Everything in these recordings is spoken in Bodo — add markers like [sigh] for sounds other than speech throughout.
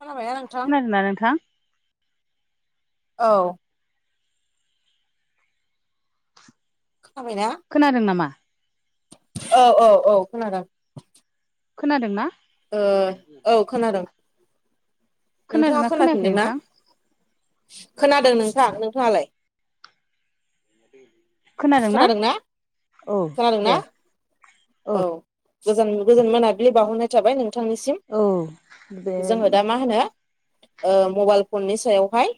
खोनाबायना नोंथां खोनादों ना नोंथां औ खोनाबायना खोनादों नामा औ औ औ खोनादों खोनादों ना ओ औ खोनादों नोंथाङा खोनादोंना खोनायाखै खोनाफिनदोंना नोंथां खोनादों नोंथां नोंथाङालाय खोनादोंना औ खोनादोंना दे औ गोजान गोजान मोनाबिलि बहरनाय थाबाय नों नोंथांनिसिम औ बे जोङो दा मा होनो ओ मबाइल फननि सायावहाय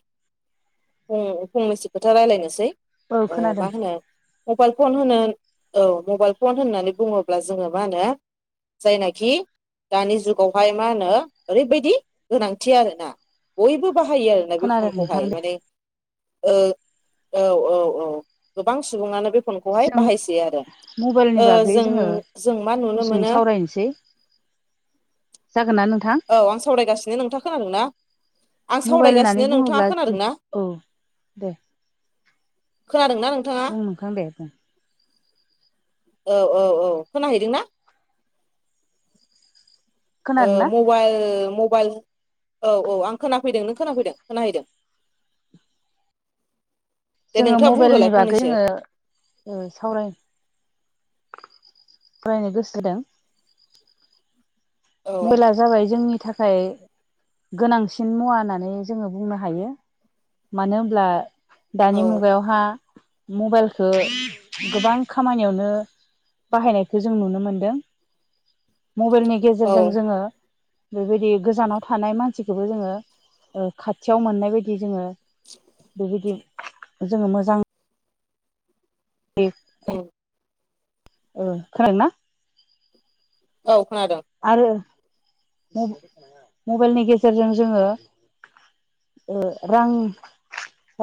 फ फंनैसो खोथा रायलायनोसै औ ओ मा खोनादों होनो मबाइल फन होनो औ मबाइल फन होननानै बुङोब्ला जोङो मा होनो जायनाखि दानि जुगावहाय मा होनो ओरैबायदि गोनांथि आरोना बयबो बाहायो आरोना बे खोनादों नोंथां फनखौहाय दे माने औ औ औ गोबां सुबुङानो बे फनखौहाय जों बाहायसै आरो मबाइलनि ओ बागै ओम जोङो जों मा नुनो गुसुं मोनो सावरायनोसै जागोन ना नोंथां औ आं सावरायगासिनो नोंथा खोनादों ना मबाइल होननानै बुङोब्लाऔ खोनादोंना दे खोनादोंना नोंथाङा बुं नोंथां दे औ औ औ खोनाहैदोंना ओ खोनादोंना मबाइल मबाइल औ औ आं खोनाफैदों नों खोनाफैदों खोनाहैदों दे जोङो नोंथाङा बुंग्रोलाय मबाइलनि बागै फंनैसो जोङो ओ सावराय फरायनो गोसो जादों औ [unintelligible] जाबाय जोंनि थाखाय गोनांसिन मुवा होननानै जोंङो बुंनो हायो। मानो होनोमब्ला औ दानि मुगायावहा मबाइलखो गोबां खामानियावनो बाहायनायखौ जों नुनो मोनदों मबाइलनि औ गेजेरजों जोंङो बेबायदि गोजानाव थानाय मानसिखौबो जोङो ओ खाथियाव मोननाय बायदि जोंङो बेबायदि जोंङो मोजां उम [unintelligible] खोनादों ना औ खोनादों आरो म-मबाइलनि गेजेरजों जोङो ओ रां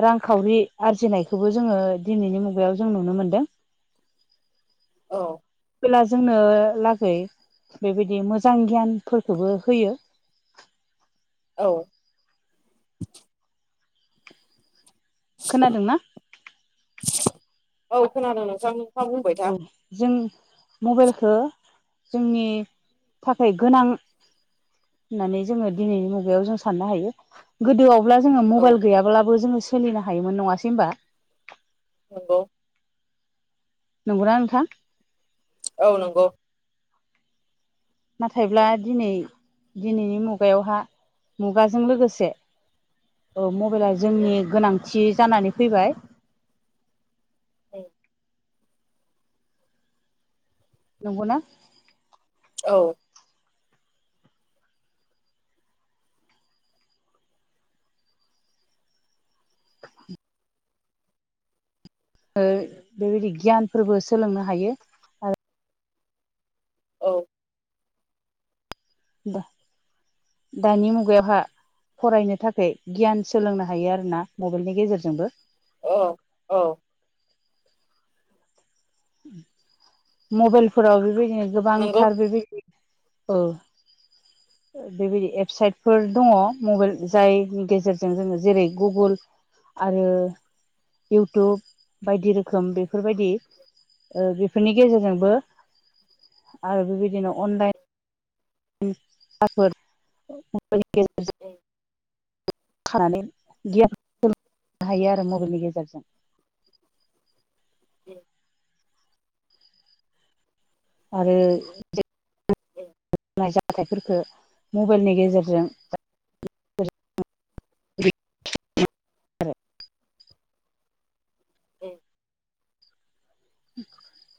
रांखावरि आरजिनायखौबो जोंङो दिनैनि मुगायाव जों नुनो मोनदों [inaudible] अब्ला जोंनो लागै बेबायदि मोजां गियानफोरखौबो होयो औ खोनादोंना? औ खोनादों नोंथां बुंबाय था औ जों मबाइलखो जोंनि थाखाय गोनां होननानै जोंङो दिनैनि मुगायाव जों साननो हायो गोदोआव अब्ला जोंङो औ मबाइल गैयाब्लाबो जोंङो सोलिनो हायोमोन नंङासै होनबा नोंंगौ नंगौना नोंथां औ नंगौ नाथायब्ला दिनै दिनैनि मुगायावहा मुगाजों लोगोसे मबाइल आ उम जोंनि गोनांथि जानानै फैबाय [unintelligible] नंगौना औ [inaudible] ओ बेबायदि गियानफोरबो सोलोंनो हायो आ औ दा दानि मुगायावहा फरायनो थाखाय गियान सोलोंनो हायो आरोना मबाइलनि गेजेरजोंबो औ औ मबाइलफोराव बेबायदिनो नंगौ गोबांथार बेबायदि औ बेबायदि एबसाइटफोर दंङ मबाइल जायनि गेजेरजों जोंङो जेरै गुगोल आरो इउटुब बायदि रोखोम बेफोरबायदि ओ बेफोरनि गेजेरजोंबो आरो बेबायदिनो अनलाइन थाफोर [unintelligible] उम खानानै गियान सोलोंनो हायो आरो मबाइलनि गेजेरजों ए आरो ए। [unintelligible] मबाइलनि। [unintelligible] [inaudible] ए। [inaudible]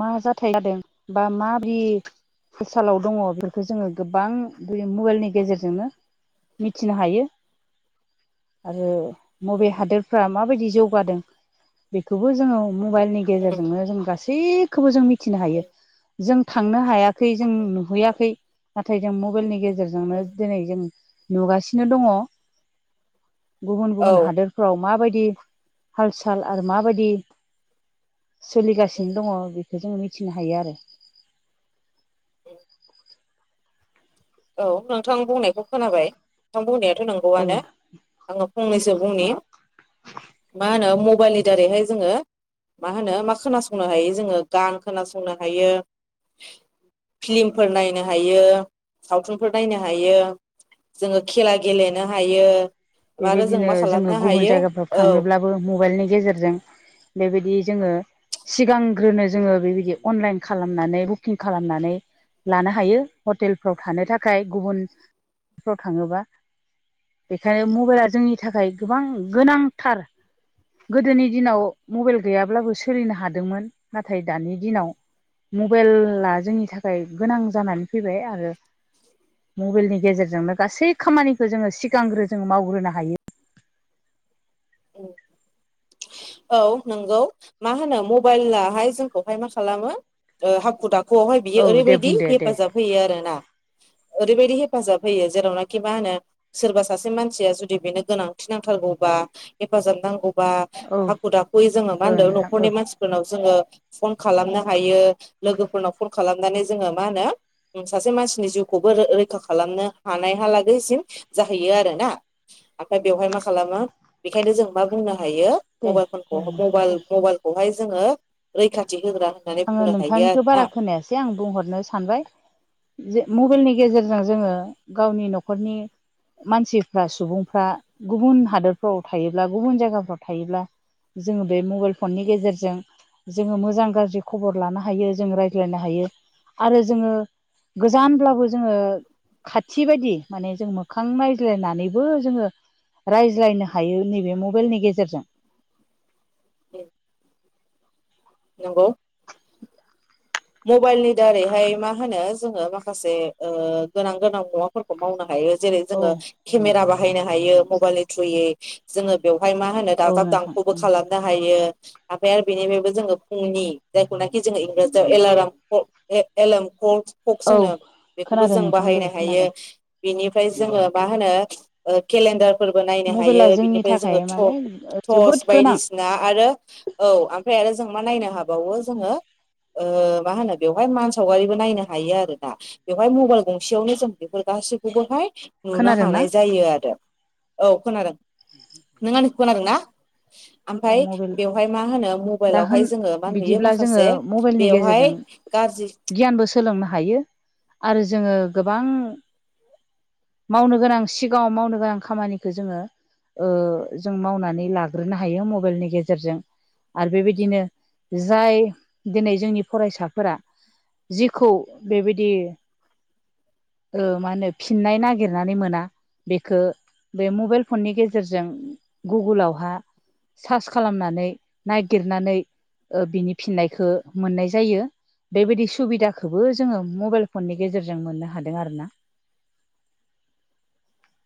मा जाथाय जादों बा माबि। बिसालाव दङ बेफोरखौ जोङो गोबां बे मबाइलनि गेजेरजोंनो। मिथिनो हायो। आरो बबे हादोरफ्रा माबायदि जौगादों बेखौबो जोङो। मबाइलनि उम गेजेरजोंनो जों गासैखौबो जों मिथिनो हायो उम जों थांनो हाया। खै जों नुहैयाखै नाथाय जों मबाइलनि गेजेरजोंनो उम दिनै जों। नुगासिनो दङ गुबुन औ गुबुन हादोरफ्राव माबायदि। हाल साल आरो माबायदि सोलिगासिनो। उम थिनो हायो आरो। उम औ नोंथां बुंनायखौ खोनाबाय नोंथां बुंनाय। औ नोंगौआनो आंङो फनैसो बुंनि मा होनो मबाइलनि दारैहाय जोङो। मा होनो मा खोनासंनो हायो जोङो गान खोनासंनो हायो। फिलिमफोर नायनो हायो। सावथुनफोर नायनो हायो जोङो खेला गेलेनो हायो। आरो जों बेबायदिनो मा जोङो खालामनो गुबुन हायो जायगाफ्राव औ थांनोब्लाबो मबाइलनि गेजेरजों बेबायदि। बिदि जोङो सिगांग्रोनो जोङो बेबायदि अनलाइन खालामनानै बुकिं खालामनानै। लानो हायो हटेलफ्राव थानो थाखाय गुबुनफ्राव थाङोबा। बेखायनो मबाइला जोंनि थाखाय गोबां गोनांथार। गोदोनि दिनाव मबाइल गैयाब्लाबो सोलिनो हादोंमोन नाथाय दानि दिनाव। मबाइला जोंनि थाखाय गोनां जानानै फैबाय आरो। मबाइलनि गेजेरजोंनो गासै खामानिखौ जोङो सिगांग्रो जोङो मावग्रोनो हायो। ए। औ नोंगौ मा होनो मबाइलहाय जोंखौहाय मा खालामो हाखु दाखु। गौआवहाय बियो औ दे ओरैबायदि बुं दे दे हेफाजाब होयो आरोना। ओरैबायाददि हेफाजाब होयो जेरावनाखि मा होनो सोरबा सासे मानसिया जुदि बेनो गोनांथि नांथारगौबा। बा हेफाजाबनांगौबा। औ हाखु दाखुयै जोङो मा ओ होनदों नोंथां न'खरनि औ मानसिफोरनाव जोङो। फन खालामनो हायो लोगोफोरनाव फन खालामनानै जोङो मा होनो। सासे मानसिनि जिउखौबो रैखा खालामनो हानायहालागैसिम जाहैयो आरोना। ओमफ्राय बेवहाय मा खालामो बेखायनो जों मा बुंनो हायो। दे मबाइल फनखौ औ नोंथां मबाइल बुं मबाइलखौहाय जोङो रैखाथि। होग्रा होननानै आङो बुंनो हायो नोंथांनिखौ आरोना बारा खोनायासै आं बुंहरनो सानबाय जे मबाइलनि। गेजेरजों जोङो गावनि न'खरनि। मानसिफ्रा सुबुंफ्रा गुबुन हादोरफ्राव थायोब्ला गुबुन जायगाफ्राव थायोब्ला। जोङो बे मबाइल फननि गेजेरजों जोङो मोजां गाज्रिखौ। खबर लानो हायो जों रायज्लायनो हायो आरो जोङो। गोजानब्लाबो जोङो। खाथि बायदि माने जों मोखां नायज्लायनानैबो जोङो। रायज्लायनो हायो नैबे मबाइलनि गेजेरजों। ए। नंगौ। मबाइलनि दारैहाय मा होनो जोङो माखासे ओ गोनां गोनां मुवाफोरखौ मावनो हायो। जेरै औ जोङो केमेरा बाहायनो हायो मबाइलनि थ्रुयै जोङो बेयाव हाय मा होनो औ दाजाब नोंथां दांख'बो खालामनो हायो। आफाया बिनिफायबो जोंङो फुंनि जायखौ नाखि जोंङो इनबिटर एलाराम ए एलोम फक्स औ होनो बेखौबो खोनादों जों नोंथां दे बाहायनो हायो। खोनादों बिनिफ्राय जोङो मा होनो केलेन्डारफोरबो नायनो हायो मबाइला जोंनि बिनिफ्राय जोङो थाखाय माने जोबोद टर्स गोनां बायदिसिना आरो औ ओमफ्राय आरो जों मा नायनो हाबावो जोङो ओ मा होनो बेवहाय मान सावगारिबो नायनो हायो आरो दा बेवहाय मबाइल गंसेयावनो जों बेफोर गासैबो गबहाय नुनो खोनादोंना हानाय जायो आरो औ खोनादों नों आंनिखौ खोनादों ना? दा ओमफ्राय मबाइल बेवहाय मा होनो दा मबाइलावहाय होन जोङो मा नुयो बिदिब्ला जोङो माखासे मबाइलनि बेवहाय गेजेरजों गाज्रि गियानबो सोलोंनो हायो आरो जोङो गोबां मावनो गोनां सिगाङाव मावनो गोनां खामानिखौ जोङो ओ जों मावनानै लाग्रोनो हायो मबाइलनि गेजेरजों। आरो बेबायदिनो जाय दिनै जोंनि फरायसाफोरा जिखौ बेबायदि ओ मा होनो फिननाय नागिरनानै मोना बेखौ बे मबाइल फननि गेजेरजों गुगोलावहा सार्च खालामनानै नागिरनानै ओ बिनि फिननायखौ मोननाय जायो। बेबायदि सुबिदाखौबो जोङो मबाइल फननि गेजेरजों मोननो हादों आर ना। [inaudible]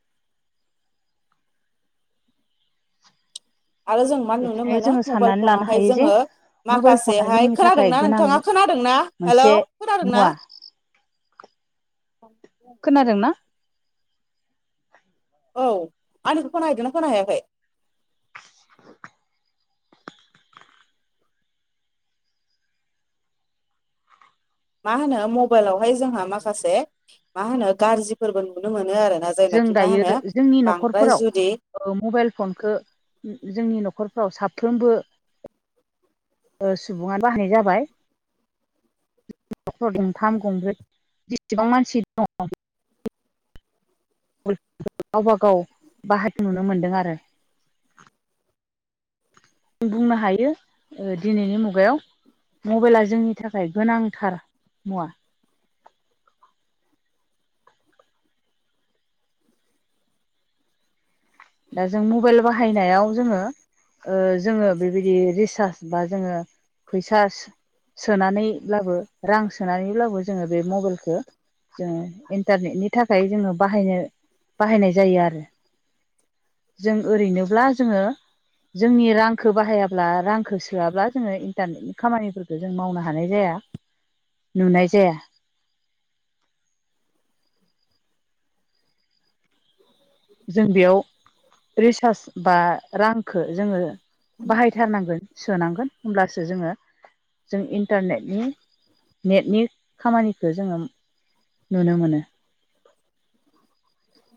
आरो जों मा नुनो बेखायनो मोनो जोङो मबाइल साननानै लानो फनावहाय हायो जे जोङो मबाइल फना माखासेहाय जोंनि थाखाय खोनादोंना गोनां नोंथाङा खोनादों ा हेल' मोनसे खोनादोंना। मुवा खोनादोंना। औ आंनिखौ खोन हैैदोंना खोन हायाखै? [inaudible] मा होनो मबाइलावहाय जोंहा माखासे मा होनो गाज्रिफोरबो नुनो मोनो आरो। जों दायो जोंनि न'खरफोराव जुदि मबाइल फनखौ जोंनि न'खर न'खरफ्राव साफ्रोमबो ओ सुबुङानो बाहायनाय जाबाय। नख दंफाम गंब्रै जेसिबां मानसि दङ गावबागाव बाहतो नुनो मोनदों आरो। जों बुंनो हायो दिनैनि मुगायाव मबाइला जोंनि थाखाय गोनांथार मुवा। [inaudible] दा जों मबाइल बाहायनायाव जोङो ओ जोङो बेबायदि रिसार्च बा जोङो फैसा सोनानैब्लाबो रां सोनानैब्लाबो जोङो बे मबाइलखौ जोङो इन्टारनेटनि थाखाय जोङो बाहायनो बाहायनाय जायो आरो। जों ओरैनोब्ला जोङो जोंनि रांखौ बाहायाब्ला रांखौ सोआब्ला जोङो इन्टारनेटनि खामानिफोरखौ जों मावनो हानाय जाया। नुनाय जाया। [inaudible] जों बेयाव रिसार्ज बा रांखौ जोङो बाहायथारनांगोन सोनांगोन होमब्लासो जोङो जों इन्टारनेटनि नेटनि खामानिखौ जोङो नुनो मानो। [inaudible]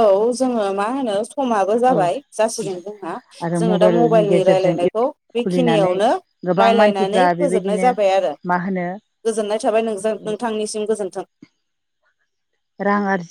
औ जोङो मा होनो। समाबो औ जाबाय जासिगोन नोंथां जोंहा आरो जोङो दा मबाइलनि गेजेरजों रायलायनायखौ खुलिनानै बेखिनियावनो गोबां रायलायनानै मानसिफ्रा फोजोबनाय बेबायदिनो जाबाय आरो मा होनो गोजोननाय थाबाय नोंजों नोंथांनिसिम गोजोन्थों रां आरजि